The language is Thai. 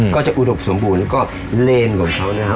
ก็จะอุดมสมบูรณ์แล้วก็เลนของเขานะครับ